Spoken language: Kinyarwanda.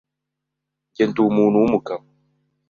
njye ndi umuntu w’umugabo